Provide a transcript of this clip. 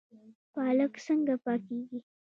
پالک څنګه پاکیږي؟